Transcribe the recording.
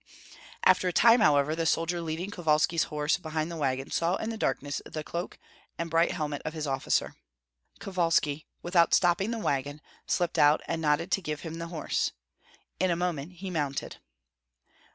After a time, however, the soldier leading Kovalski's horse behind the wagon saw in the darkness the cloak and bright helmet of his officer. Kovalski, without stopping the wagon, slipped out and nodded to give him the horse. In a moment he mounted.